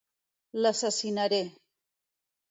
L'assassinaré.